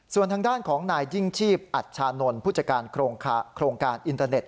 ส่วนทางด้านของนายยิ่งชีพอัชชานนท์ผู้จัดการโครงการอินเตอร์เน็ต